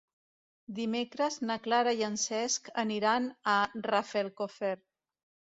Dimecres na Clara i en Cesc aniran a Rafelcofer.